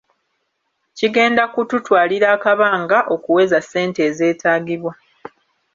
Kigenda kututwalira akabanga okuweza ssente ezeetaagibwa,